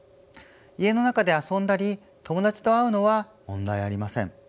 家の中で遊んだり友達と会うのは問題ありません。